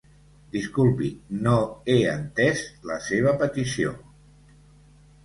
Disculpi, no he entès la seva peticiò.